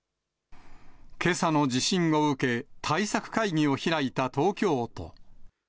けさの地震を受け、対策会議を開いた東京都。